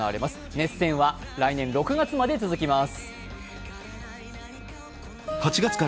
熱戦は来年６月まで続きます。